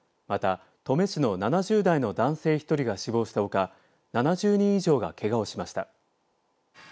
また登米市の７０代の男性１人が死亡したほか７０人以上がけがをしました。